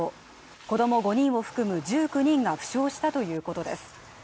子供５人を含む１９人が負傷したということです。